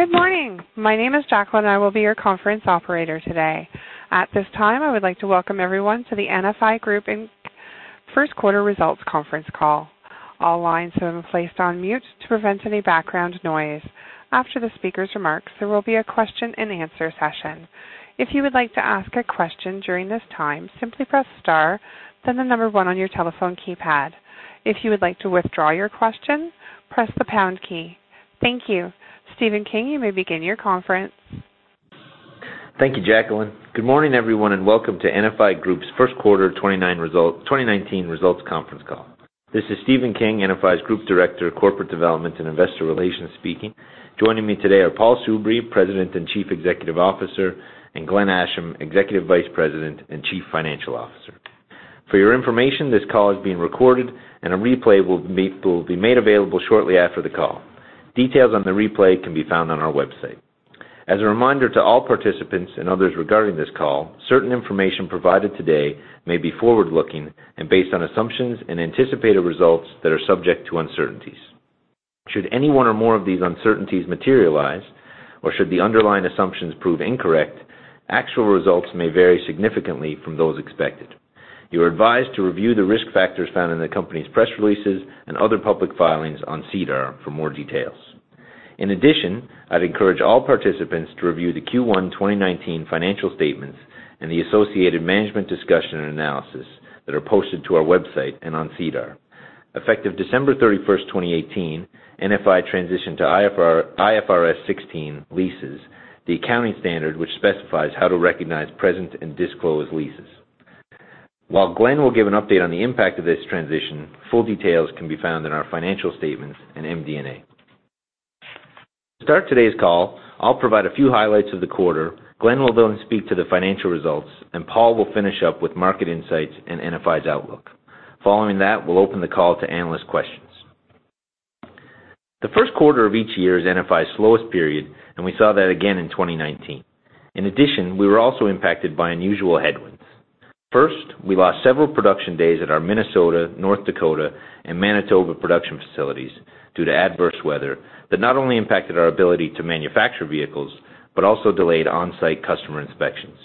Good morning. My name is Jacqueline, I will be your conference operator today. At this time, I would like to welcome everyone to the NFI Group First Quarter Results Conference Call. All lines have been placed on mute to prevent any background noise. After the speaker's remarks, there will be a question and answer session. If you would like to ask a question during this time, simply press star, then the number one on your telephone keypad. If you would like to withdraw your question, press the pound key. Thank you. Stephen King, you may begin your conference. Thank you, Jacqueline. Good morning, everyone, welcome to NFI Group's first quarter 2019 results conference call. This is Stephen King, NFI's Group Director of Corporate Development and Investor Relations speaking. Joining me today are Paul Soubry, President and Chief Executive Officer, Glenn Asham, Executive Vice President and Chief Financial Officer. For your information, this call is being recorded, a replay will be made available shortly after the call. Details on the replay can be found on our website. As a reminder to all participants and others regarding this call, certain information provided today may be forward-looking based on assumptions and anticipated results that are subject to uncertainties. Should any one or more of these uncertainties materialize, should the underlying assumptions prove incorrect, actual results may vary significantly from those expected. You are advised to review the risk factors found in the company's press releases other public filings on SEDAR for more details. I'd encourage all participants to review the Q1 2019 financial statements the associated Management's Discussion and Analysis that are posted to our website and on SEDAR. Effective December 31st, 2018, NFI transitioned to IFRS 16 leases, the accounting standard which specifies how to recognize present and disclose leases. While Glenn will give an update on the impact of this transition, full details can be found in our financial statements and MD&A. To start today's call, I'll provide a few highlights of the quarter, Glenn will then speak to the financial results, Paul will finish up with market insights and NFI's outlook. Following that, we'll open the call to analyst questions. The first quarter of each year is NFI's slowest period, we saw that again in 2019. In addition, we were also impacted by unusual headwinds. We lost several production days at our Minnesota, North Dakota, and Manitoba production facilities due to adverse weather that not only impacted our ability to manufacture vehicles also delayed on-site customer inspections.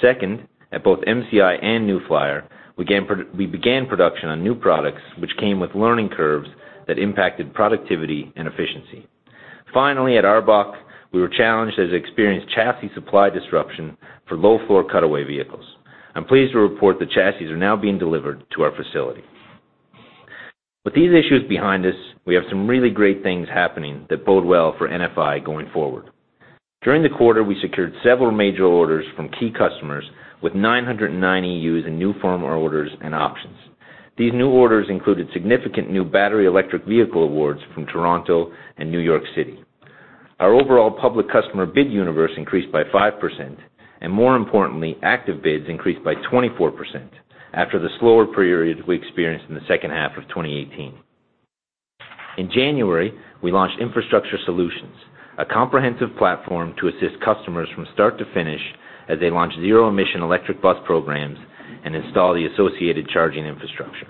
Second, at both MCI and New Flyer, we began production on new products which came with learning curves that impacted productivity and efficiency. At ARBOC, we were challenged as it experienced chassis supply disruption for low-floor cutaway vehicles. I'm pleased to report the chassis are now being delivered to our facility. With these issues behind us, we have some really great things happening that bode well for NFI going forward. During the quarter, we secured several major orders from key customers with 990 EUs in new firm orders and options. These new orders included significant new battery electric vehicle awards from Toronto and New York City. Our overall public customer bid universe increased by 5%, and more importantly, active bids increased by 24% after the slower period we experienced in the second half of 2018. In January, we launched NFI Infrastructure Solutions, a comprehensive platform to assist customers from start to finish as they launch zero-emission electric bus programs and install the associated charging infrastructure.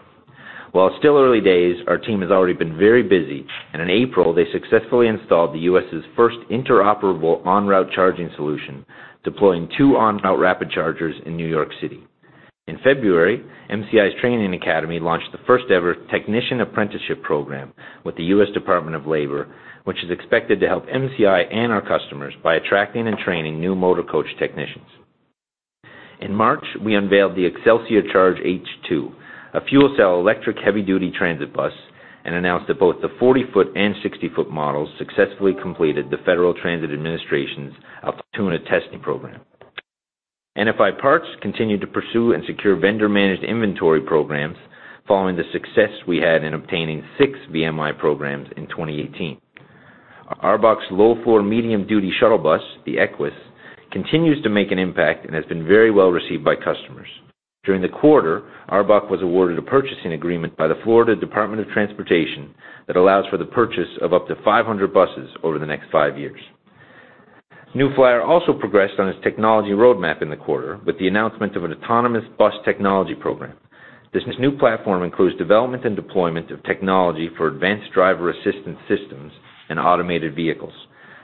While it's still early days, our team has already been very busy, and in April, they successfully installed the U.S.'s first interoperable on-route charging solution, deploying two on-route rapid chargers in New York City. In February, MCI's Training Academy launched the first ever technician apprenticeship program with the U.S. Department of Labor, which is expected to help MCI and our customers by attracting and training new motor coach technicians. In March, we unveiled the Xcelsior CHARGE H2, a fuel cell electric heavy-duty transit bus, and announced that both the 40-foot and 60-foot models successfully completed the Federal Transit Administration's Altoona testing program. NFI Parts continued to pursue and secure vendor-managed inventory programs following the success we had in obtaining six VMI programs in 2018. ARBOC's low-floor medium-duty shuttle bus, the Equess, continues to make an impact and has been very well received by customers. During the quarter, ARBOC was awarded a purchasing agreement by the Florida Department of Transportation that allows for the purchase of up to 500 buses over the next five years. New Flyer also progressed on its technology roadmap in the quarter with the announcement of an autonomous bus technology program. This new platform includes development and deployment of technology for advanced driver assistance systems and automated vehicles.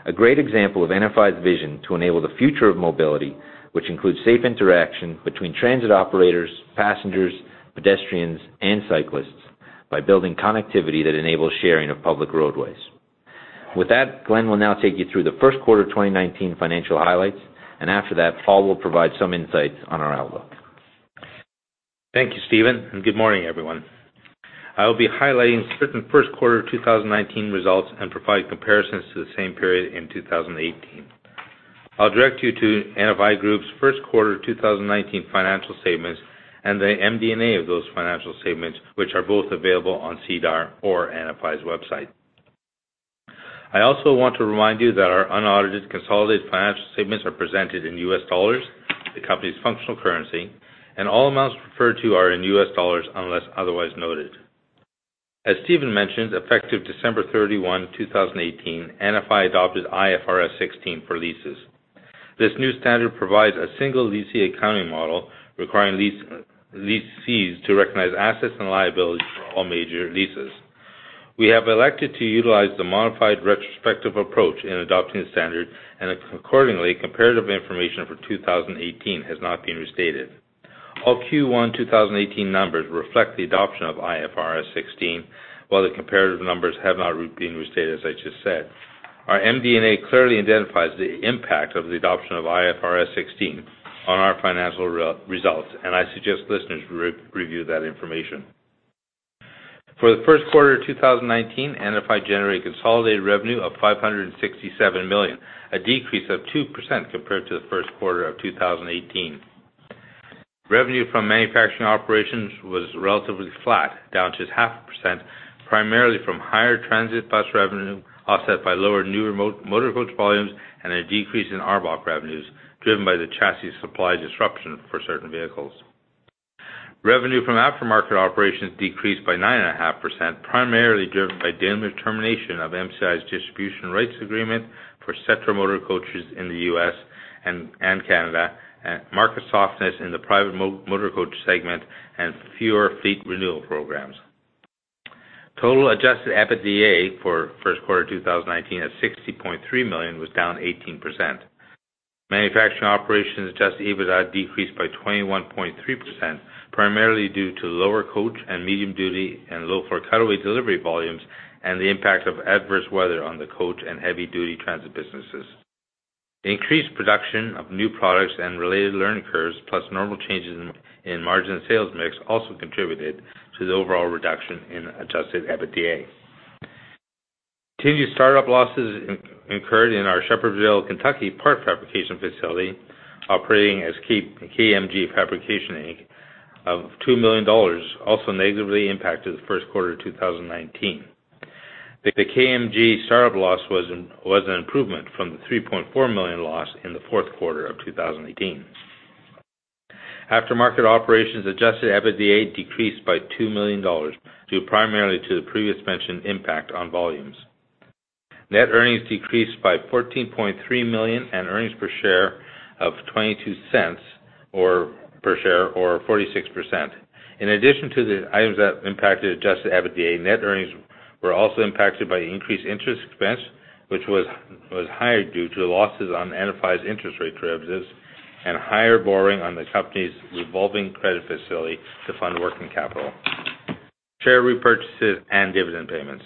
A great example of NFI's vision to enable the future of mobility, which includes safe interaction between transit operators, passengers, pedestrians, and cyclists by building connectivity that enables sharing of public roadways. With that, Glenn will now take you through the first quarter of 2019 financial highlights, and after that, Paul will provide some insights on our outlook. Thank you, Stephen, and good morning, everyone. I will be highlighting certain first quarter 2019 results and provide comparisons to the same period in 2018. I'll direct you to NFI Group's first quarter 2019 financial statements and the MD&A of those financial statements, which are both available on SEDAR or NFI's website. I also want to remind you that our unaudited consolidated financial statements are presented in U.S. dollars, the company's functional currency, and all amounts referred to are in U.S. dollars unless otherwise noted. As Stephen mentioned, effective December 31, 2018, NFI adopted IFRS 16 for leases. This new standard provides a single lease accounting model requiring lessees to recognize assets and liabilities for all major leases. We have elected to utilize the modified retrospective approach in adopting the standard and accordingly, comparative information for 2018 has not been restated. All Q1 2018 numbers reflect the adoption of IFRS 16, while the comparative numbers have not been restated, as I just said. Our MD&A clearly identifies the impact of the adoption of IFRS 16 on our financial results, and I suggest listeners review that information. For the first quarter of 2019, NFI generated consolidated revenue of $567 million, a decrease of 2% compared to the first quarter of 2018. Revenue from manufacturing operations was relatively flat, down just half a percent, primarily from higher transit bus revenue, offset by lower new motor coach volumes and a decrease in ARBOC revenues, driven by the chassis supply disruption for certain vehicles. Revenue from aftermarket operations decreased by 9.5%, primarily driven by the termination of MCI's distribution rights agreement for Setra motor coaches in the U.S. and Canada, market softness in the private motor coach segment, and fewer fleet renewal programs. Total adjusted EBITDA for first quarter 2019 at $60.3 million was down 18%. Manufacturing operations adjusted EBITDA decreased by 21.3%, primarily due to lower coach and medium-duty and low-floor cutaway delivery volumes, and the impact of adverse weather on the coach and heavy-duty transit businesses. Increased production of new products and related learning curves, plus normal changes in margin sales mix, also contributed to the overall reduction in adjusted EBITDA. Continued startup losses incurred in our Shepherdsville, Kentucky part fabrication facility operating as KMG Fabrication, Inc. of $2 million, also negatively impacted the first quarter of 2019. The KMG startup loss was an improvement from the $3.4 million loss in the fourth quarter of 2018. Aftermarket operations adjusted EBITDA decreased by $2 million due primarily to the previously mentioned impact on volumes. Net earnings decreased by $14.3 million and earnings per share of $0.22 or per share or 46%. In addition to the items that impacted adjusted EBITDA, net earnings were also impacted by increased interest expense, which was higher due to losses on NFI's interest rate derivatives and higher borrowing on the company's revolving credit facility to fund working capital, share repurchases, and dividend payments.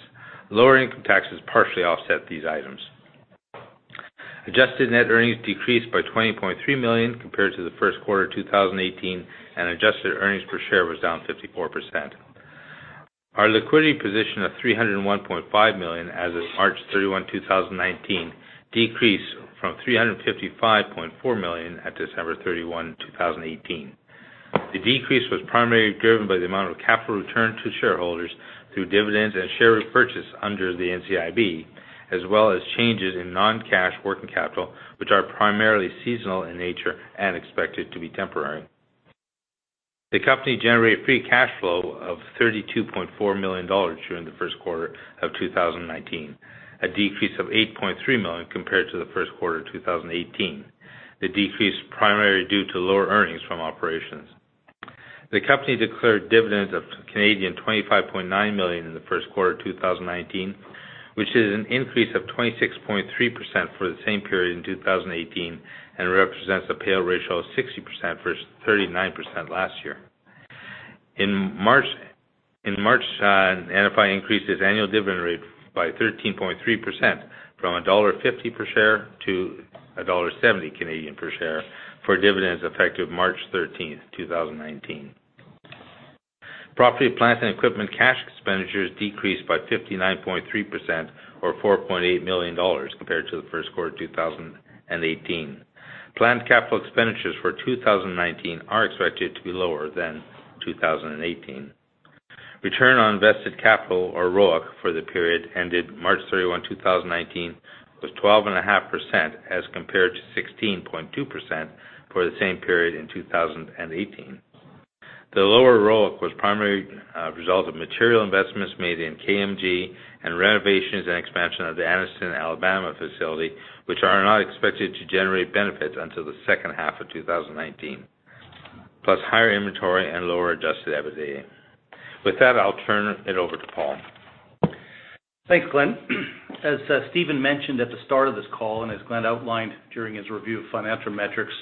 Lower income taxes partially offset these items. Adjusted net earnings decreased by $20.3 million compared to the first quarter 2018, and adjusted earnings per share was down 54%. Our liquidity position of $301.5 million as of March 31, 2019, decreased from $355.4 million at December 31, 2018. The decrease was primarily driven by the amount of capital returned to shareholders through dividends and share repurchase under the NCIB, as well as changes in non-cash working capital, which are primarily seasonal in nature and expected to be temporary. The company generated free cash flow of $32.4 million during the first quarter of 2019, a decrease of $8.3 million compared to the first quarter 2018. The decrease is primarily due to lower earnings from operations. The company declared dividends of 25.9 million Canadian dollars in the first quarter of 2019, which is an increase of 26.3% for the same period in 2018 and represents a payout ratio of 60% versus 39% last year. In March, NFI increased its annual dividend rate by 13.3%, from dollar 1.50 per share to 1.70 Canadian dollars per share for dividends effective March 13, 2019. Property plant and equipment cash expenditures decreased by 59.3% or $4.8 million compared to the first quarter 2018. Planned capital expenditures for 2019 are expected to be lower than 2018. Return on invested capital or ROIC for the period ended March 31, 2019, was 12.5% as compared to 16.2% for the same period in 2018. The lower ROIC was primarily a result of material investments made in KMG and renovations and expansion of the Anniston, Alabama facility, which are not expected to generate benefits until the second half of 2019, plus higher inventory and lower adjusted EBITDA. With that, I'll turn it over to Paul. Thanks, Glenn. As Stephen mentioned at the start of this call, and as Glenn outlined during his review of financial metrics,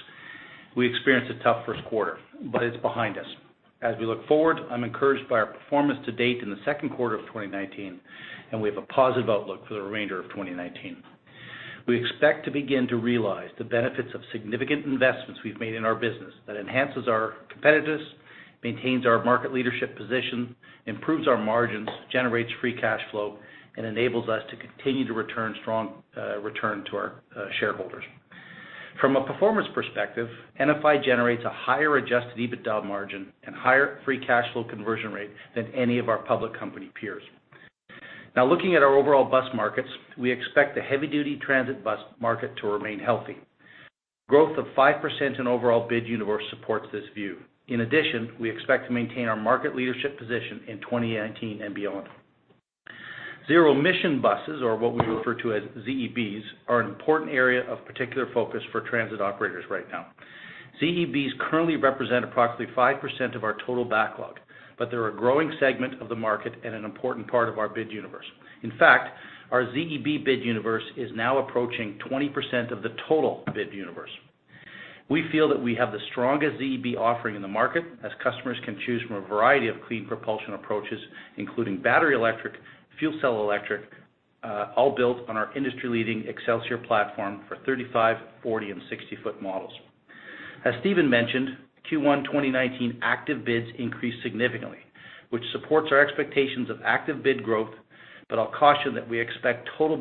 we experienced a tough first quarter, but it's behind us. As we look forward, I'm encouraged by our performance to date in the second quarter of 2019, and we have a positive outlook for the remainder of 2019. We expect to begin to realize the benefits of significant investments we've made in our business that enhances our competitiveness, maintains our market leadership position, improves our margins, generates free cash flow, and enables us to continue to return strong return to our shareholders. From a performance perspective, NFI generates a higher adjusted EBITDA margin and higher free cash flow conversion rate than any of our public company peers. Now looking at our overall bus markets, we expect the heavy-duty transit bus market to remain healthy. Growth of 5% in overall bid universe supports this view. In addition, we expect to maintain our market leadership position in 2019 and beyond. Zero-emission buses, or what we refer to as ZEBs, are an important area of particular focus for transit operators right now. ZEBs currently represent approximately 5% of our total backlog, but they're a growing segment of the market and an important part of our bid universe. In fact, our ZEB bid universe is now approaching 20% of the total bid universe. We feel that we have the strongest ZEB offering in the market, as customers can choose from a variety of clean propulsion approaches, including battery electric, fuel cell electric, all built on our industry-leading Xcelsior platform for 35-, 40-, and 60-foot models. As Stephen mentioned, Q1 2019 active bids increased significantly, which supports our expectations of active bid growth, but I'll caution that while we expect total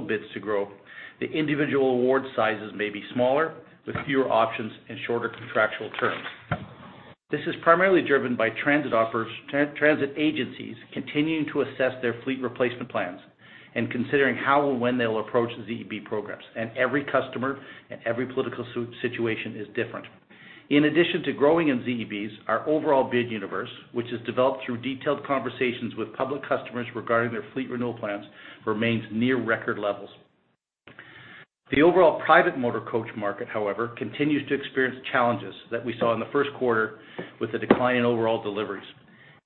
bids to grow, the individual award sizes may be smaller with fewer options and shorter contractual terms. This is primarily driven by transit agencies continuing to assess their fleet replacement plans and considering how and when they'll approach the ZEB programs. Every customer and every political situation is different. In addition to growing in ZEBs, our overall bid universe, which is developed through detailed conversations with public customers regarding their fleet renewal plans, remains near record levels. The overall private motor coach market, however, continues to experience challenges that we saw in the first quarter with a decline in overall deliveries.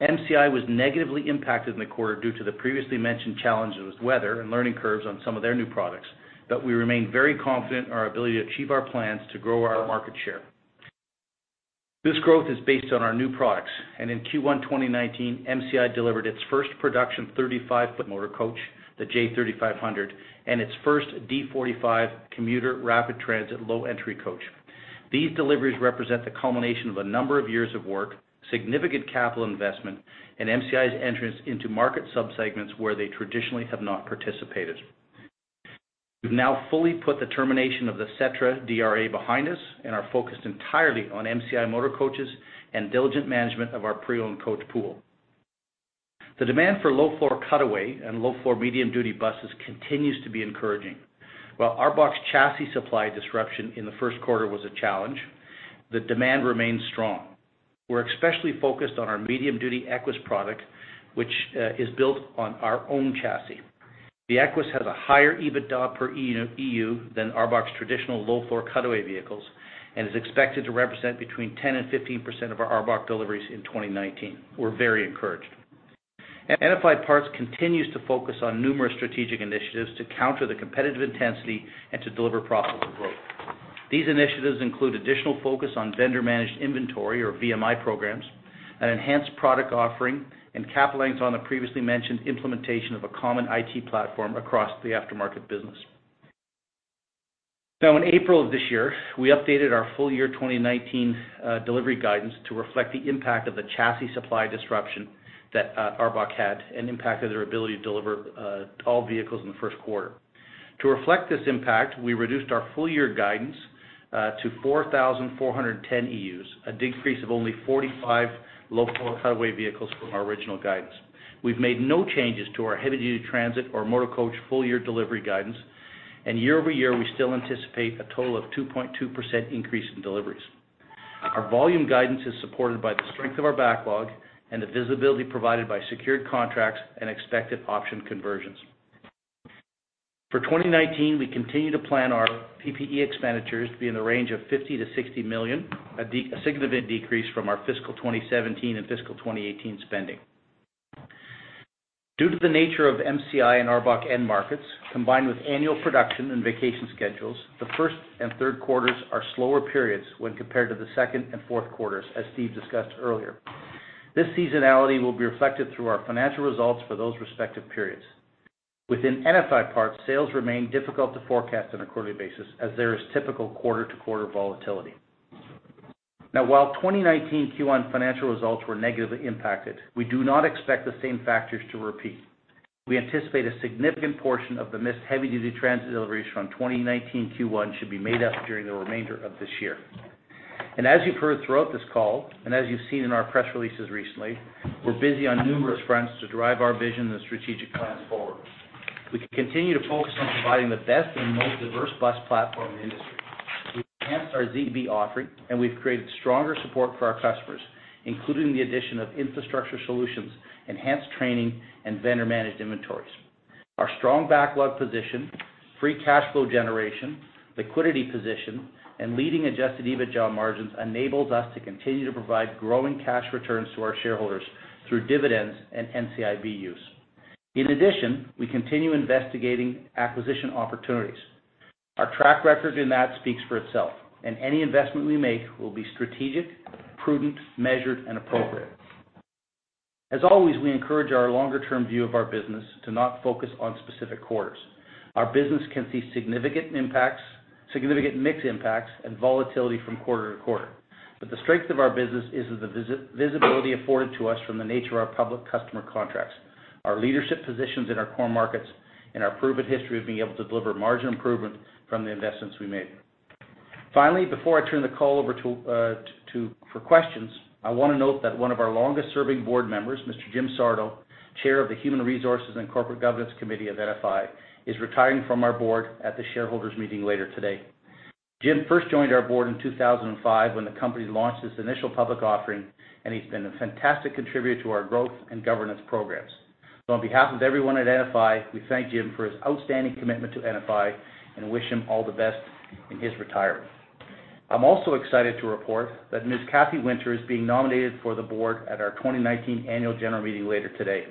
MCI was negatively impacted in the quarter due to the previously mentioned challenges with weather and learning curves on some of their new products, but we remain very confident in our ability to achieve our plans to grow our market share. This growth is based on our new products. In Q1 2019, MCI delivered its first production 35-foot motor coach, the J3500, and its first D45 commuter rapid transit low-entry coach. These deliveries represent the culmination of a number of years of work, significant capital investment, and MCI's entrance into market subsegments where they traditionally have not participated. We've now fully put the termination of the Setra DRA behind us and are focused entirely on MCI motor coaches and diligent management of our pre-owned coach pool. The demand for low-floor cutaway and low-floor medium-duty buses continues to be encouraging. While ARBOC's chassis supply disruption in the first quarter was a challenge, the demand remains strong. We're especially focused on our medium-duty Equess product, which is built on our own chassis. The Equess has a higher EBITDA per EU than ARBOC's traditional low-floor cutaway vehicles and is expected to represent between 10% and 15% of our ARBOC deliveries in 2019. We're very encouraged. NFI Parts continues to focus on numerous strategic initiatives to counter the competitive intensity and to deliver profitable growth. These initiatives include additional focus on vendor-managed inventory or VMI programs, an enhanced product offering, and capitalize on the previously mentioned implementation of a common IT platform across the aftermarket business. In April of this year, we updated our full year 2019 delivery guidance to reflect the impact of the chassis supply disruption that ARBOC had and impacted their ability to deliver all vehicles in the first quarter. To reflect this impact, we reduced our full-year guidance to 4,410 EUs, a decrease of only 45 low-floor cutaway vehicles from our original guidance. We've made no changes to our heavy-duty transit or motor coach full-year delivery guidance, and year-over-year, we still anticipate a total of 2.2% increase in deliveries. Our volume guidance is supported by the strength of our backlog and the visibility provided by secured contracts and expected option conversions. For 2019, we continue to plan our PPE expenditures to be in the range of $50 million to $60 million, a significant decrease from our fiscal 2017 and fiscal 2018 spending. Due to the nature of MCI and ARBOC end markets, combined with annual production and vacation schedules, the first and third quarters are slower periods when compared to the second and fourth quarters, as Steve discussed earlier. This seasonality will be reflected through our financial results for those respective periods. Within NFI Parts, sales remain difficult to forecast on a quarterly basis as there is typical quarter-to-quarter volatility. While 2019 Q1 financial results were negatively impacted, we do not expect the same factors to repeat. We anticipate a significant portion of the missed heavy-duty transit deliveries from 2019 Q1 should be made up during the remainder of this year. As you've heard throughout this call, and as you've seen in our press releases recently, we're busy on numerous fronts to drive our vision and strategic plans forward. We continue to focus on providing the best and most diverse bus platform in the industry. We've enhanced our ZEB offering, and we've created stronger support for our customers, including the addition of infrastructure solutions, enhanced training, and vendor-managed inventories. Our strong backlog position, free cash flow generation, liquidity position, and leading adjusted EBITDA margins enables us to continue to provide growing cash returns to our shareholders through dividends and NCIB use. In addition, we continue investigating acquisition opportunities. Our track record in that speaks for itself, and any investment we make will be strategic, prudent, measured, and appropriate. As always, we encourage our longer-term view of our business to not focus on specific quarters. Our business can see significant mix impacts and volatility from quarter to quarter. The strength of our business is the visibility afforded to us from the nature of our public customer contracts, our leadership positions in our core markets, and our proven history of being able to deliver margin improvement from the investments we make. Finally, before I turn the call over for questions, I want to note that one of our longest-serving board members, Mr. James Sardo, Chair of the Human Resources and Corporate Governance Committee of NFI, is retiring from our board at the shareholders' meeting later today. James first joined our board in 2005 when the company launched its initial public offering, and he's been a fantastic contributor to our growth and governance programs. On behalf of everyone at NFI, we thank James for his outstanding commitment to NFI and wish him all the best in his retirement. I'm also excited to report that Ms. Kathy Winter is being nominated for the board at our 2019 annual general meeting later today.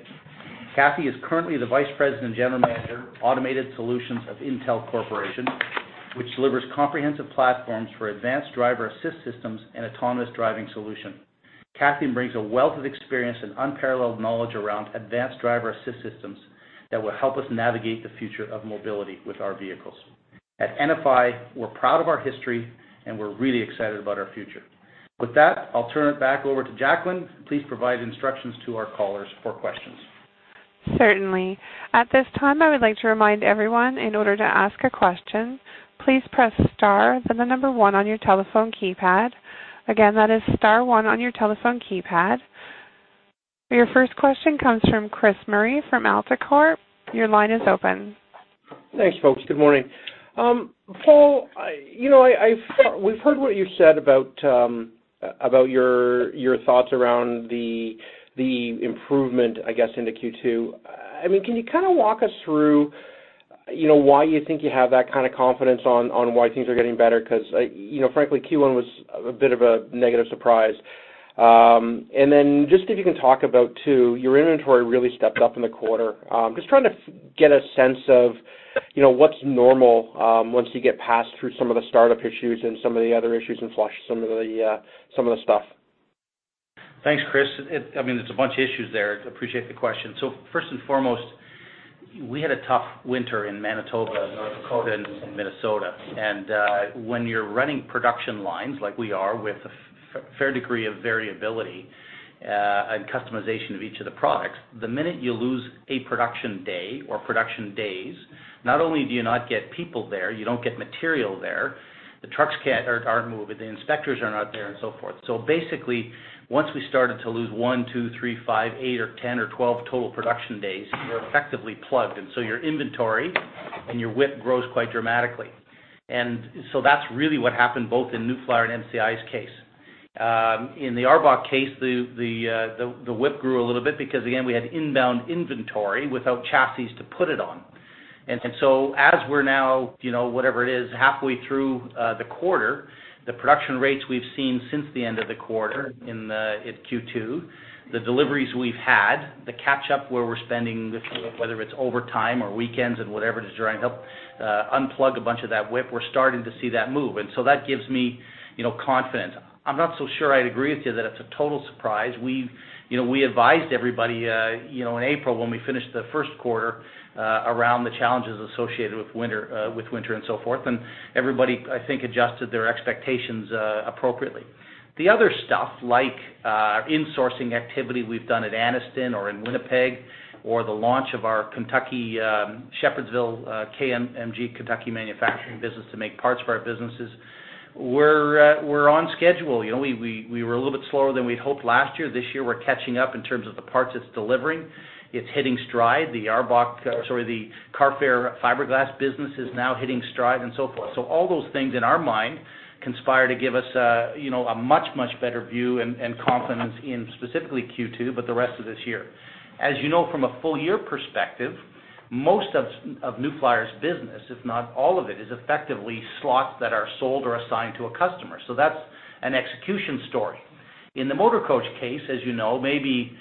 Cathy is currently the Vice President and General Manager, Automated Solutions of Intel Corporation, which delivers comprehensive platforms for advanced driver-assist systems and autonomous driving solutions. Cathy brings a wealth of experience and unparalleled knowledge around advanced driver-assist systems that will help us navigate the future of mobility with our vehicles. At NFI, we're proud of our history, and we're really excited about our future. With that, I'll turn it back over to Jacqueline. Please provide instructions to our callers for questions. Certainly. At this time, I would like to remind everyone, in order to ask a question, please press star, then the number 1 on your telephone keypad. Again, that is star 1 on your telephone keypad. Your first question comes from Chris Murray from AltaCorp. Your line is open. Thanks, folks. Good morning. Paul, we've heard what you said about your thoughts around the improvement, I guess, into Q2. Can you walk us through why you think you have that kind of confidence on why things are getting better? Frankly, Q1 was a bit of a negative surprise. Just if you can talk about, too, your inventory really stepped up in the quarter. Just trying to get a sense of what's normal once you get past through some of the startup issues and some of the other issues and flush some of the stuff. Thanks, Chris. There's a bunch of issues there. Appreciate the question. First and foremost, we had a tough winter in Manitoba, North Dakota, and Minnesota. When you're running production lines like we are with a fair degree of variability and customization of each of the products, the minute you lose a production day or production days, not only do you not get people there, you don't get material there. The trucks aren't moving, the inspectors are not there, and so forth. Basically, once we started to lose one, two, three, five, eight or 10 or 12 total production days, you're effectively plugged. Your inventory and your WIP grows quite dramatically. That's really what happened both in New Flyer and MCI's case. In the ARBOC case, the WIP grew a little bit because, again, we had inbound inventory without chassis to put it on. As we're now, whatever it is, halfway through the quarter, the production rates we've seen since the end of the quarter in Q2, the deliveries we've had, the catch up where we're spending, whether it's overtime or weekends and whatever it is during help unplug a bunch of that WIP, we're starting to see that move. That gives me confidence. I'm not so sure I'd agree with you that it's a total surprise. We advised everybody in April when we finished the first quarter around the challenges associated with winter and so forth, everybody, I think, adjusted their expectations appropriately. The other stuff like insourcing activity we've done at Anniston or in Winnipeg, or the launch of our Kentucky Shepherdsville KMG Kentucky manufacturing business to make parts for our businesses, we're on schedule. We were a little bit slower than we'd hoped last year. This year, we're catching up in terms of the parts it's delivering. It's hitting stride. The Carfair fiberglass business is now hitting stride and so forth. All those things in our mind conspire to give us a much, much better view and confidence in specifically Q2, but the rest of this year. As you know from a full-year perspective, most of New Flyer's business, if not all of it, is effectively slots that are sold or assigned to a customer. That's an execution story. In the motor coach case, as you know, maybe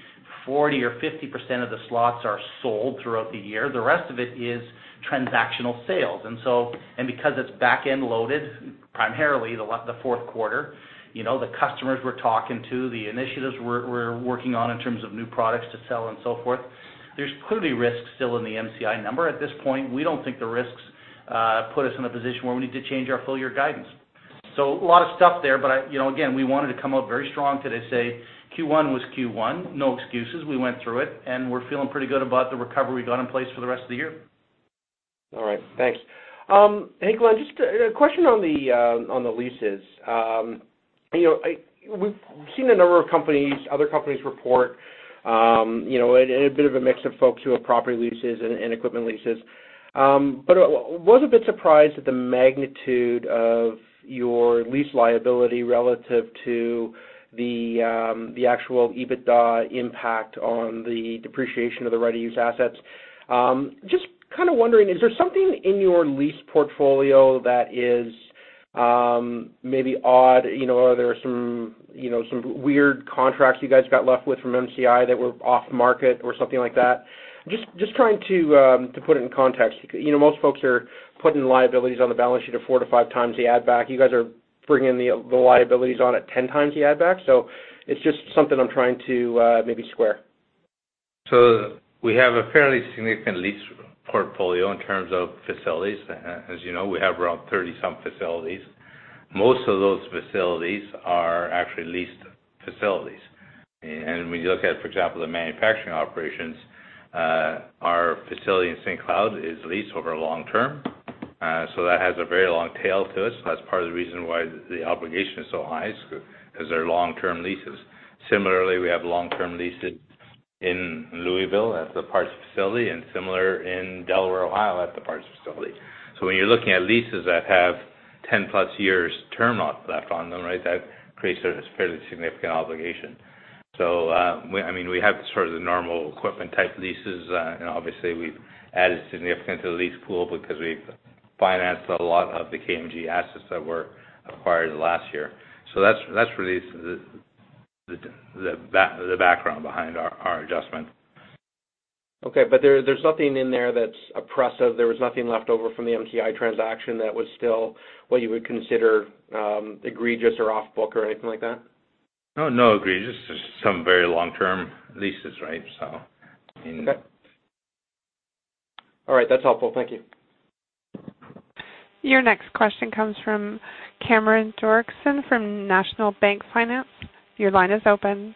40% or 50% of the slots are sold throughout the year. The rest of it is transactional sales. Because it's back-end loaded, primarily the fourth quarter, the customers we're talking to, the initiatives we're working on in terms of new products to sell and so forth, there's clearly risks still in the MCI number. At this point, we don't think the risks put us in a position where we need to change our full-year guidance. A lot of stuff there, but again, we wanted to come out very strong today, say Q1 was Q1, no excuses. We went through it, and we're feeling pretty good about the recovery we got in place for the rest of the year. All right. Thanks. Hey, Glenn, just a question on the leases. We've seen a number of companies, other companies report, and a bit of a mix of folks who have property leases and equipment leases. But I was a bit surprised at the magnitude of your lease liability relative to the actual EBITDA impact on the depreciation of the right-to-use assets. Just kind of wondering, is there something in your lease portfolio that is maybe odd? Are there some weird contracts you guys got left with from MCI that were off market or something like that? Just trying to put it in context. Most folks are putting liabilities on the balance sheet of 4 to 5 times the add back. You guys are bringing the liabilities on at 10 times the add back. It's just something I'm trying to maybe square. We have a fairly significant lease portfolio in terms of facilities. As you know, we have around 30 some facilities. Most of those facilities are actually leased facilities. When you look at, for example, the manufacturing operations, our facility in St. Cloud is leased over long term. That has a very long tail to it. That's part of the reason why the obligation is so high is because they're long-term leases. Similarly, we have long-term leases In Louisville at the parts facility and similar in Delaware, Ohio, at the parts facility. When you're looking at leases that have 10 plus years term left on them, that creates a fairly significant obligation. We have the normal equipment type leases. Obviously, we've added significantly to the lease pool because we've financed a lot of the KMG assets that were acquired last year. That's really the background behind our adjustment. Okay. There's nothing in there that's oppressive. There was nothing left over from the MCI transaction that was still what you would consider egregious or off-book or anything like that? No, not egregious. Just some very long-term leases. Okay. All right. That's helpful. Thank you. Your next question comes from Cameron Doerksen from National Bank Financial. Your line is open.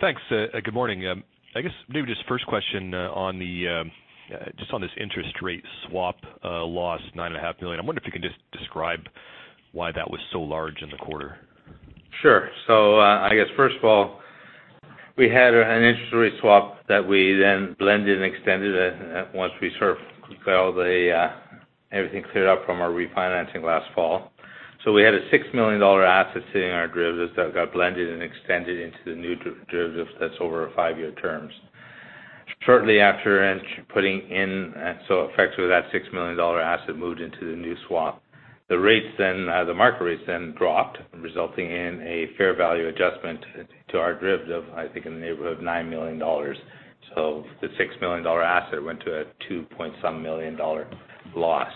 Thanks. Good morning. I guess maybe just first question on this interest rate swap loss, $9.5 million. I wonder if you can just describe why that was so large in the quarter. Sure. I guess first of all, we had an interest rate swap that we then blended and extended at once. We got everything cleared up from our refinancing last fall. We had a $6 million asset sitting in our derivatives that got blended and extended into the new derivative that's over five-year terms. Shortly after, effectively that $6 million asset moved into the new swap. The market rates then dropped, resulting in a fair value adjustment to our derivative, I think, in the neighborhood of $9 million. The $6 million asset went to a two-point-some million dollar loss.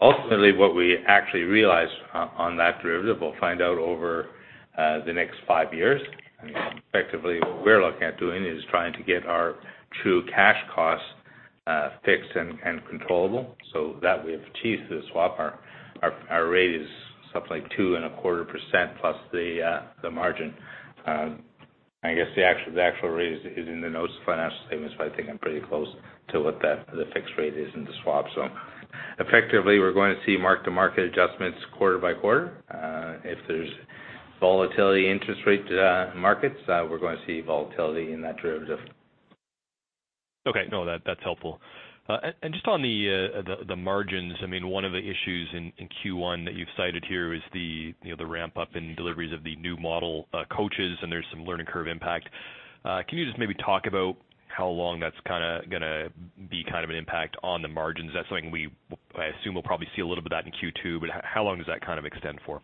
Ultimately, what we actually realize on that derivative, we'll find out over the next five years. Effectively, what we're looking at doing is trying to get our true cash costs fixed and controllable so that we have achieved through the swap. Our rate is something like 2.25% plus the margin. I guess the actual rate is in the notes of financial statements, but I think I'm pretty close to what the fixed rate is in the swap. Effectively, we're going to see mark-to-market adjustments quarter by quarter. If there's volatility interest rate markets, we're going to see volatility in that derivative. Okay. No, that's helpful. Just on the margins, one of the issues in Q1 that you've cited here is the ramp-up in deliveries of the new model coaches, and there's some learning curve impact. Can you just maybe talk about how long that's going to be an impact on the margins? That's something I assume we'll probably see a little bit of that in Q2, but how long does that extend for?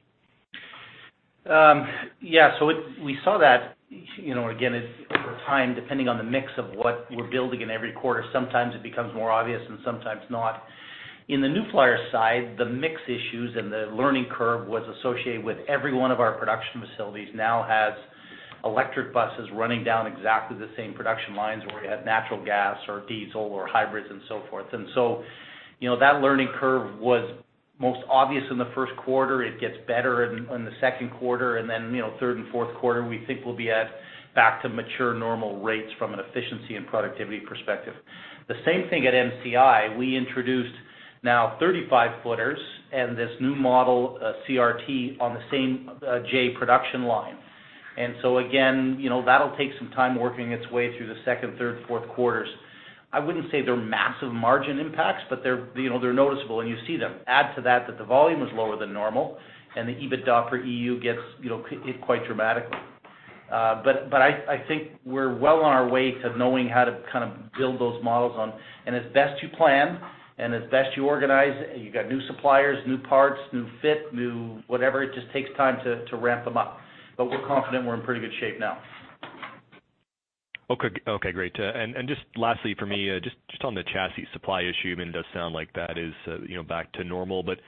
Yeah. We saw that, again, over time, depending on the mix of what we're building in every quarter, sometimes it becomes more obvious and sometimes not. In the New Flyer side, the mix issues and the learning curve was associated with every one of our production facilities now has electric buses running down exactly the same production lines where we had natural gas or diesel or hybrids and so forth. That learning curve was most obvious in the first quarter. It gets better in the second quarter, then, third and fourth quarter, we think we'll be at back to mature normal rates from an efficiency and productivity perspective. The same thing at MCI, we introduced now 35-footers and this new model, CRT, on the same J production line. Again, that'll take some time working its way through the second, third, fourth quarters. I wouldn't say they're massive margin impacts, they're noticeable and you see them. Add to that the volume is lower than normal and the EBITDA for EU gets hit quite dramatically. I think we're well on our way to knowing how to build those models on. As best you plan and as best you organize, you got new suppliers, new parts, new fit, new whatever, it just takes time to ramp them up. We're confident we're in pretty good shape now. Okay, great. Just lastly for me, just on the chassis supply issue, it does sound like that is back to normal, but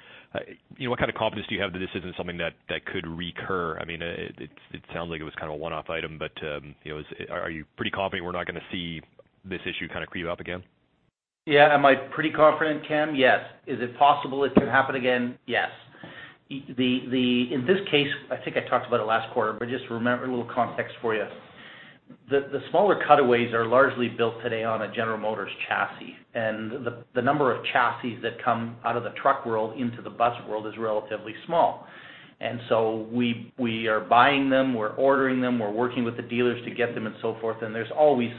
what kind of confidence do you have that this isn't something that could recur? It sounds like it was a one-off item, but are you pretty confident we're not going to see this issue creep up again? Yeah. Am I pretty confident, Cam? Yes. Is it possible it can happen again? Yes. In this case, I think I talked about it last quarter, but just a little context for you. The smaller cutaways are largely built today on a General Motors chassis, and the number of chassis that come out of the truck world into the bus world is relatively small. We are buying them, we're ordering them, we're working with the dealers to get them and so forth, and there's always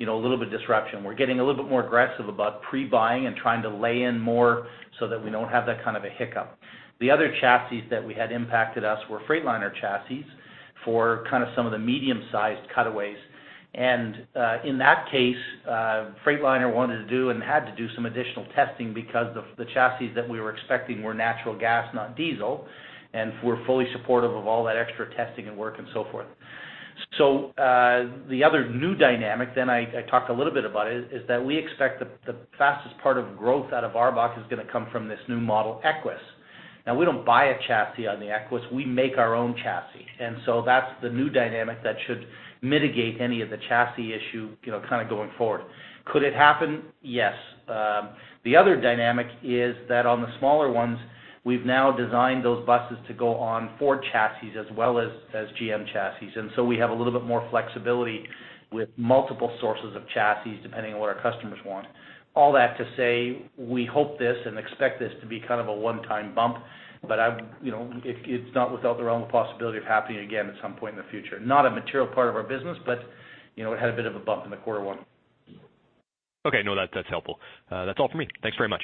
a little bit of disruption. We're getting a little bit more aggressive about pre-buying and trying to lay in more so that we don't have that kind of a hiccup. The other chassis that we had impacted us were Freightliner chassis for some of the medium-sized cutaways. In that case, Freightliner wanted to do and had to do some additional testing because the chassis that we were expecting were natural gas, not diesel, and we're fully supportive of all that extra testing and work and so forth. The other new dynamic then I talked a little bit about it, is that we expect the fastest part of growth out of our box is going to come from this new model, Equess. Now, we don't buy a chassis on the Equess. We make our own chassis. That's the new dynamic that should mitigate any of the chassis issue going forward. Could it happen? Yes. The other dynamic is that on the smaller ones, we've now designed those buses to go on Ford chassis as well as GM chassis. We have a little bit more flexibility with multiple sources of chassis, depending on what our customers want. All that to say, we hope this and expect this to be a one-time bump, but it's not without the realm of possibility of happening again at some point in the future. Not a material part of our business, but it had a bit of a bump in the quarter one. Okay. No, that's helpful. That's all for me. Thanks very much.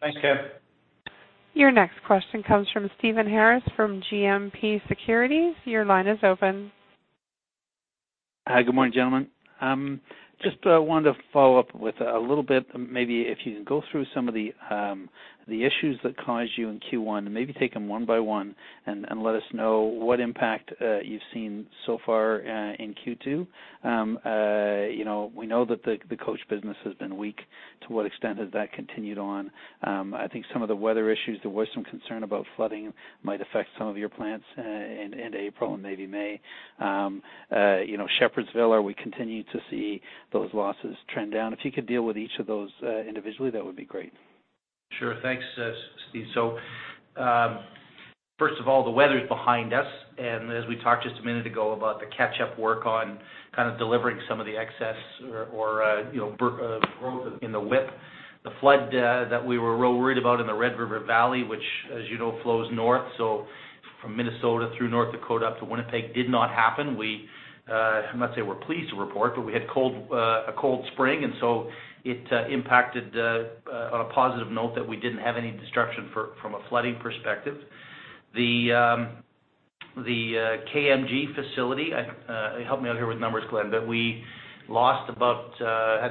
Thanks, Cam. Your next question comes from Stephen Harris from GMP Securities. Your line is open. Hi, good morning, gentlemen. Wanted to follow up with a little bit, maybe if you can go through some of the issues that caused you in Q1, and maybe take them one by one, and let us know what impact you've seen so far in Q2. We know that the coach business has been weak. To what extent has that continued on? I think some of the weather issues, there was some concern about flooding might affect some of your plants in April and maybe May. Shepherdsville, are we continuing to see those losses trend down? If you could deal with each of those individually, that would be great. Sure. Thanks, Steve. First of all, the weather's behind us, and as we talked just a minute ago about the catch-up work on delivering some of the excess or growth in the WIP. The flood that we were real worried about in the Red River Valley, which as you know, flows north, so from Minnesota through North Dakota up to Winnipeg, did not happen. I'm not saying we're pleased to report, we had a cold spring, it impacted, on a positive note, that we didn't have any disruption from a flooding perspective. The KMG facility, help me out here with numbers, Glen, we had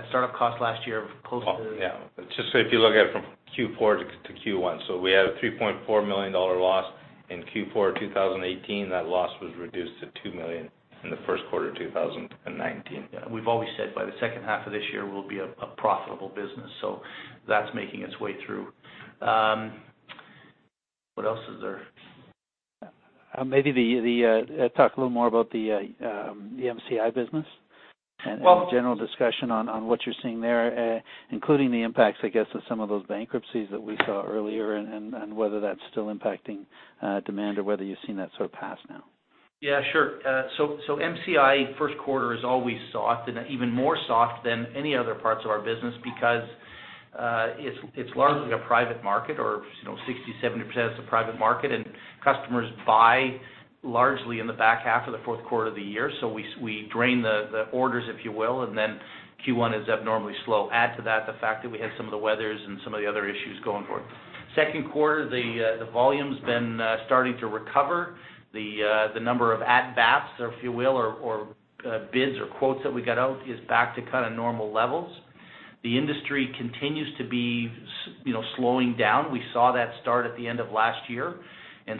startup costs last year close to Yeah. Just if you look at it from Q4 to Q1. We had a $3.4 million loss in Q4 2018. That loss was reduced to $2 million in the first quarter of 2019. Yeah. We've always said by the second half of this year we'll be a profitable business. That's making its way through. What else is there? Maybe talk a little more about the MCI business. Well- A general discussion on what you're seeing there, including the impacts, I guess, of some of those bankruptcies that we saw earlier, and whether that's still impacting demand or whether you've seen that sort of pass now. Yeah, sure. MCI first quarter is always soft and even more soft than any other parts of our business because, it's largely a private market or 60%-70% is a private market and customers buy largely in the back half of the fourth quarter of the year. We drain the orders, if you will, and then Q1 is abnormally slow. Add to that the fact that we had some of the weathers and some of the other issues going forward. Second quarter, the volume's been starting to recover. The number of at-bats or if you will, or bids or quotes that we got out is back to kind of normal levels. The industry continues to be slowing down. We saw that start at the end of last year,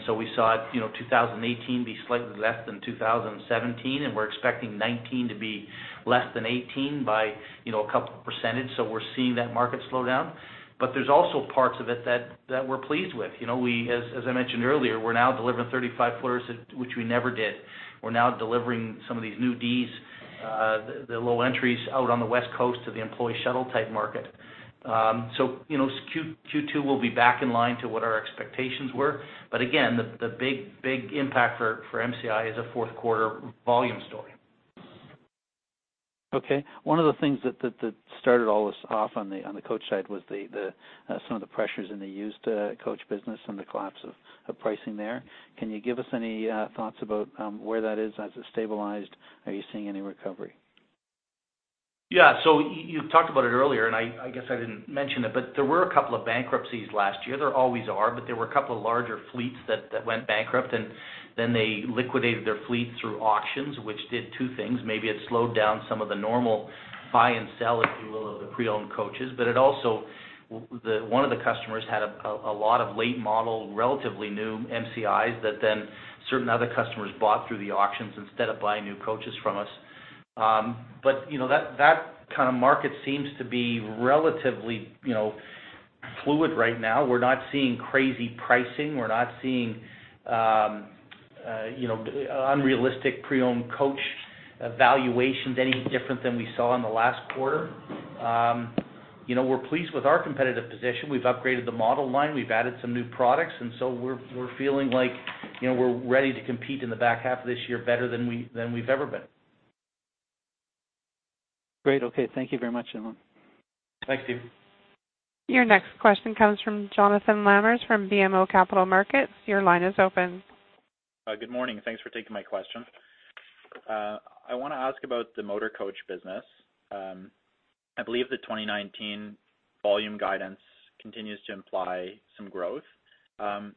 we saw 2018 be slightly less than 2017, and we're expecting 2019 to be less than 2018 by a couple percentage. We're seeing that market slow down. There's also parts of it that we're pleased with. As I mentioned earlier, we're now delivering 35-footers, which we never did. We're now delivering some of these new Ds, the low entries out on the West Coast to the employee shuttle type market. Q2 will be back in line to what our expectations were. Again, the big impact for MCI is a fourth quarter volume story. Okay. One of the things that started all this off on the coach side was some of the pressures in the used coach business and the collapse of pricing there. Can you give us any thoughts about where that is? Has it stabilized? Are you seeing any recovery? Yeah. You talked about it earlier, and I guess I didn't mention it, there were a couple of bankruptcies last year. There always are, there were a couple of larger fleets that went bankrupt and then they liquidated their fleet through auctions, which did two things. Maybe it slowed down some of the normal buy and sell, if you will, of the pre-owned coaches. One of the customers had a lot of late model, relatively new MCIs that then certain other customers bought through the auctions instead of buying new coaches from us. That kind of market seems to be relatively fluid right now. We're not seeing crazy pricing. We're not seeing unrealistic pre-owned coach valuations any different than we saw in the last quarter. We're pleased with our competitive position. We've upgraded the model line, we've added some new products, we're feeling like we're ready to compete in the back half of this year better than we've ever been. Great. Okay. Thank you very much, gentlemen. Thanks, Steve. Your next question comes from Jonathan Lamers from BMO Capital Markets. Your line is open. Good morning. Thanks for taking my question. I want to ask about the motor coach business. I believe the 2019 volume guidance continues to imply some growth. Do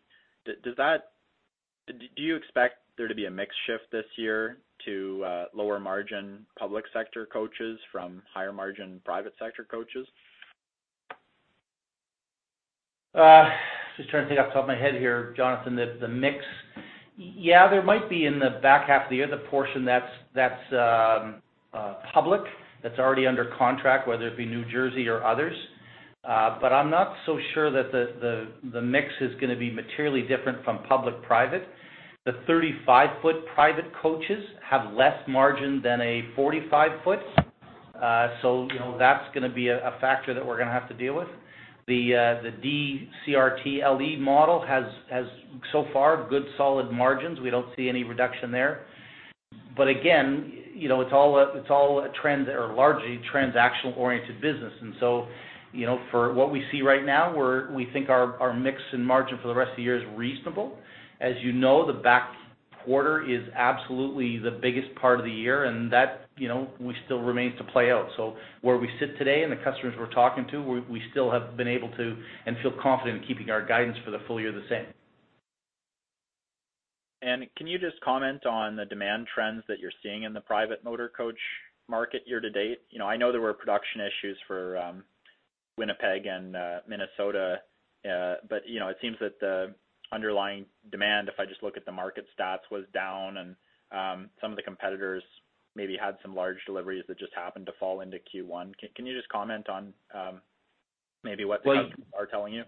you expect there to be a mix shift this year to lower margin public sector coaches from higher margin private sector coaches? Just trying to think off the top of my head here, Jonathan, the mix. Yeah, there might be in the back half of the year, the portion that's public, that's already under contract, whether it be New Jersey or others. I'm not so sure that the mix is going to be materially different from public/private. The 35-foot private coaches have less margin than a 45-foot. You know, that's going to be a factor that we're going to have to deal with. The D45 CRT LE model has so far good solid margins. We don't see any reduction there. Again, it's all a trend or largely transactional oriented business. For what we see right now, we think our mix and margin for the rest of the year is reasonable. As you know, the back quarter is absolutely the biggest part of the year, and that still remains to play out. Where we sit today and the customers we're talking to, we still have been able to and feel confident in keeping our guidance for the full year the same. Can you just comment on the demand trends that you're seeing in the private motor coach market year to date? I know there were production issues for Winnipeg and Minnesota, but it seems that the underlying demand, if I just look at the market stats, was down and some of the competitors maybe had some large deliveries that just happened to fall into Q1. Can you just comment on maybe what the customers are telling you?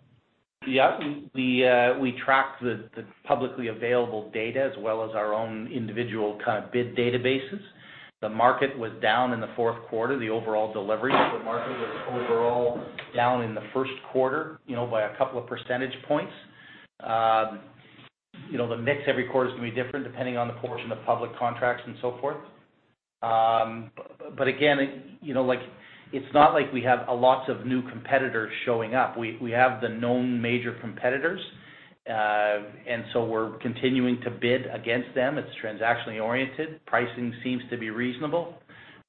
Yeah. We track the publicly available data as well as our own individual bid databases. The market was down in the fourth quarter, the overall delivery. The market was overall down in the first quarter by a couple of percentage points. The mix every quarter is going to be different depending on the portion of public contracts and so forth. Again, it's not like we have lots of new competitors showing up. We have the known major competitors, so we're continuing to bid against them. It's transactionally oriented. Pricing seems to be reasonable.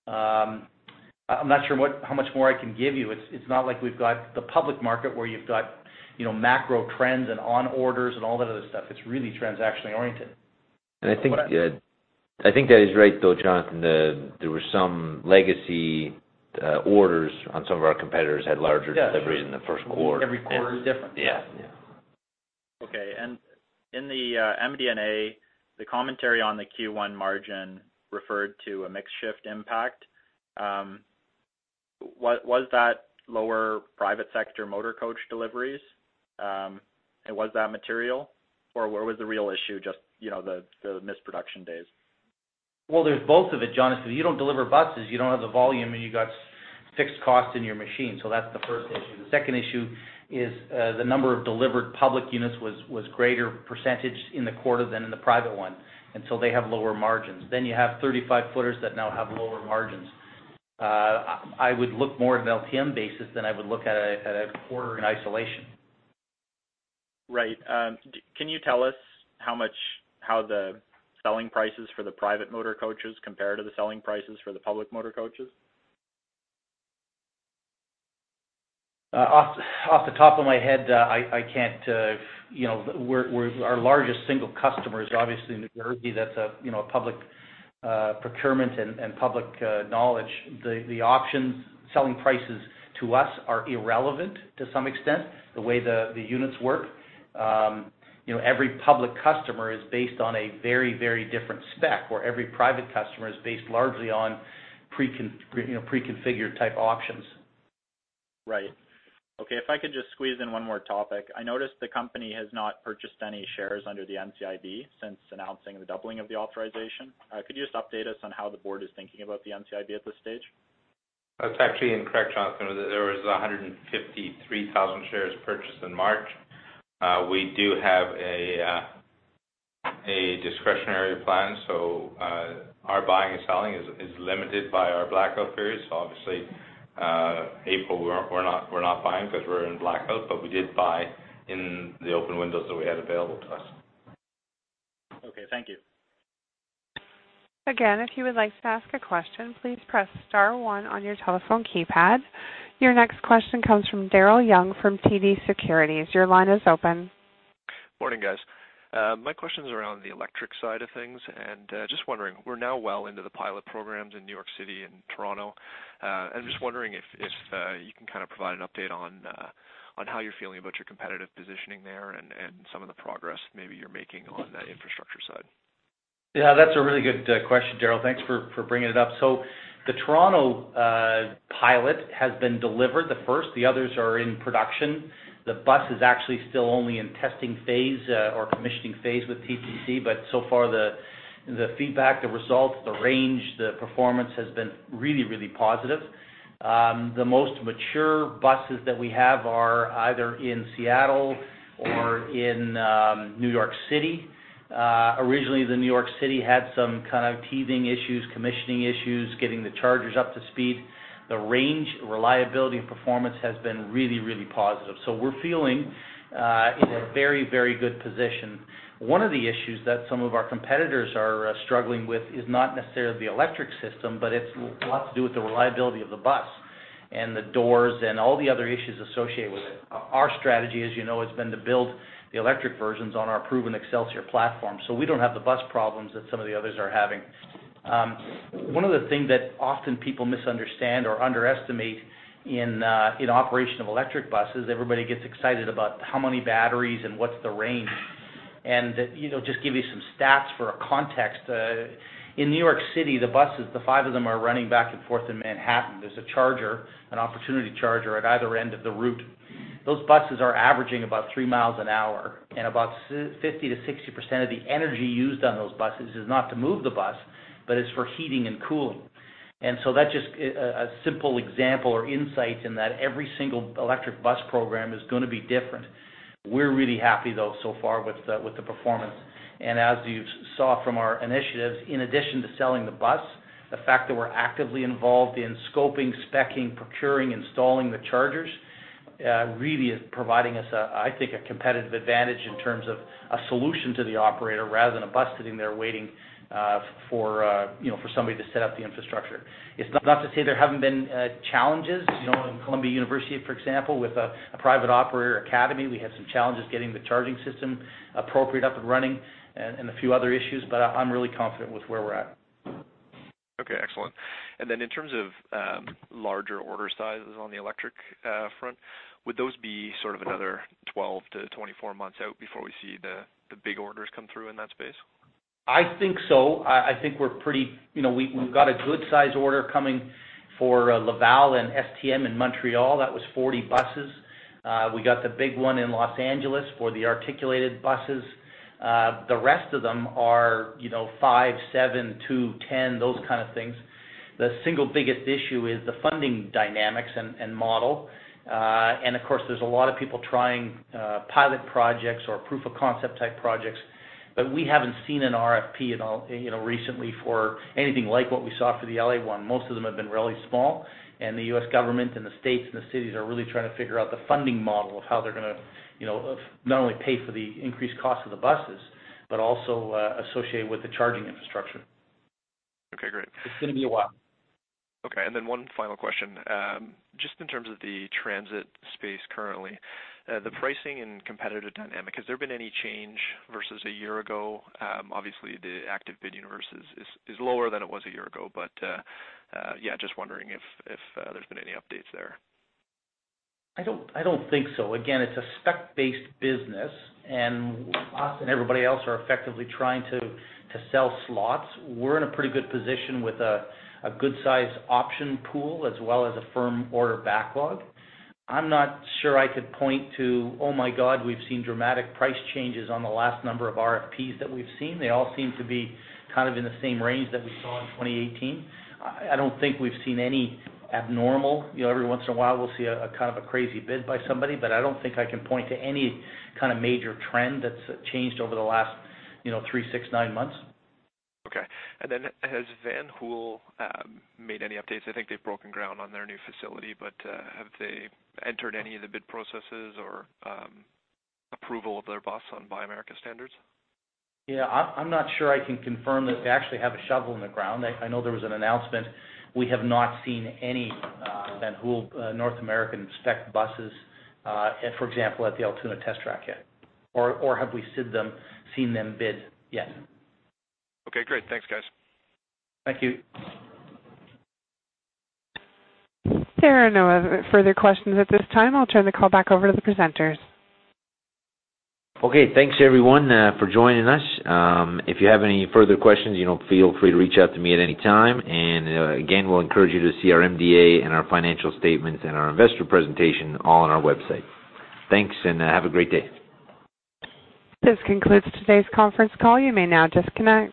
I'm not sure how much more I can give you. It's not like we've got the public market where you've got macro trends and on orders and all that other stuff. It's really transactionally oriented. I think that is right, though, Jonathan, there were some legacy orders on some of our competitors had larger deliveries in the first quarter. Every quarter is different. Yeah. Okay, in the MD&A, the commentary on the Q1 margin referred to a mix shift impact. Was that lower private sector motor coach deliveries? Was that material or where was the real issue, just the misproduction days? Well, there's both of it, Jonathan. If you don't deliver buses, you don't have the volume and you got fixed costs in your machine. That's the first issue. The second issue is the number of delivered public units was greater percentage in the quarter than in the private one, they have lower margins. You have 35-footers that now have lower margins. I would look more at an LTM basis than I would look at a quarter in isolation. Right. Can you tell us how the selling prices for the private motor coaches compare to the selling prices for the public motor coaches? Off the top of my head, I can't. Our largest single customer is obviously New Jersey. That's a public procurement and public knowledge. The options selling prices to us are irrelevant to some extent, the way the units work. Every public customer is based on a very, very different spec where every private customer is based largely on pre-configured type options. Right. Okay, if I could just squeeze in one more topic. I noticed the company has not purchased any shares under the NCIB since announcing the doubling of the authorization. Could you just update us on how the board is thinking about the NCIB at this stage? That's actually incorrect, Jonathan. There was 153,000 shares purchased in March. We do have a discretionary plan, so our buying and selling is limited by our blackout periods. Obviously, April, we're not buying because we're in blackout, but we did buy in the open windows that we had available to us. Okay, thank you. Again, if you would like to ask a question, please press star one on your telephone keypad. Your next question comes from Daryl Young from TD Securities. Your line is open. Morning, guys. My question is around the electric side of things and just wondering, we're now well into the pilot programs in New York City and Toronto. I'm just wondering if you can kind of provide an update on how you're feeling about your competitive positioning there and some of the progress maybe you're making on the infrastructure side. Yeah, that's a really good question, Daryl. Thanks for bringing it up. The Toronto pilot has been delivered, the first. The others are in production. The bus is actually still only in testing phase or commissioning phase with TTC, but so far the feedback, the results, the range, the performance has been really, really positive. The most mature buses that we have are either in Seattle or in New York City. Originally, New York City had some kind of teething issues, commissioning issues, getting the chargers up to speed. The range, reliability, and performance has been really, really positive. We're feeling in a very, very good position. One of the issues that some of our competitors are struggling with is not necessarily the electric system, but it's a lot to do with the reliability of the bus and the doors and all the other issues associated with it. Our strategy, as you know, has been to build the electric versions on our proven Xcelsior platform. We don't have the bus problems that some of the others are having. One of the things that often people misunderstand or underestimate in operation of electric buses, everybody gets excited about how many batteries and what's the range. Just give you some stats for a context, in New York City, the buses, the five of them are running back and forth in Manhattan. There's a charger, an opportunity charger at either end of the route. Those buses are averaging about three miles an hour, and about 50%-60% of the energy used on those buses is not to move the bus, but it's for heating and cooling. That's just a simple example or insight in that every single electric bus program is going to be different. We're really happy, though, so far with the performance. As you saw from our initiatives, in addition to selling the bus, the fact that we're actively involved in scoping, spec-ing, procuring, installing the chargers really is providing us, I think, a competitive advantage in terms of a solution to the operator rather than a bus sitting there waiting for somebody to set up the infrastructure. It's not to say there haven't been challenges. In Columbia University, for example, with a private operator academy, we had some challenges getting the charging system appropriate up and running and a few other issues. I'm really confident with where we're at. Okay, excellent. In terms of larger order sizes on the electric front, would those be sort of another 12-24 months out before we see the big orders come through in that space? I think so. I think we've got a good size order coming for Laval and STM in Montreal. That was 40 buses. We got the big one in L.A. for the articulated buses. The rest of them are five, seven, two, 10, those kind of things. The single biggest issue is the funding dynamics and model. Of course, there's a lot of people trying pilot projects or proof of concept type projects, but we haven't seen an RFP recently for anything like what we saw for the L.A. one. Most of them have been really small, and the U.S. government and the states and the cities are really trying to figure out the funding model of how they're going to not only pay for the increased cost of the buses, but also associated with the charging infrastructure. Okay, great. It's going to be a while. Okay. Then one final question. Just in terms of the transit space currently, the pricing and competitive dynamic, has there been any change versus a year ago? Obviously, the active bid universe is lower than it was a year ago, yeah, just wondering if there's been any updates there. I don't think so. Again, it's a spec-based business, us and everybody else are effectively trying to sell slots. We're in a pretty good position with a good size option pool as well as a firm order backlog. I'm not sure I could point to, oh my God, we've seen dramatic price changes on the last number of RFPs that we've seen. They all seem to be kind of in the same range that we saw in 2018. I don't think we've seen any abnormal. Every once in a while, we'll see a kind of a crazy bid by somebody, I don't think I can point to any kind of major trend that's changed over the last three, six, nine months. Okay. Then has Van Hool made any updates? I think they've broken ground on their new facility, have they entered any of the bid processes or approval of their bus on Buy America standards? Yeah, I'm not sure I can confirm that they actually have a shovel in the ground. I know there was an announcement. We have not seen any Van Hool North American spec buses, for example, at the Altoona test track yet, or have we seen them bid yet. Okay, great. Thanks, guys. Thank you. There are no other further questions at this time. I'll turn the call back over to the presenters. Okay, thanks everyone for joining us. If you have any further questions, feel free to reach out to me at any time. Again, we'll encourage you to see our MD&A and our financial statements and our investor presentation all on our website. Thanks. Have a great day. This concludes today's conference call. You may now disconnect.